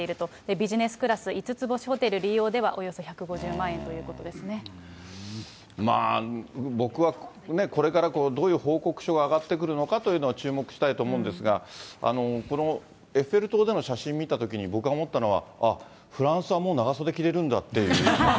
ビジネスクラス５つ星ホテル利用ではおよそ１５０万円とまあ、僕はね、これからどういう報告書が上がってくるのかというのを注目したいと思うんですが、このエッフェル塔での写真見たときに、僕が思ったのは、ああ、フランスはもう長袖着れるんだという。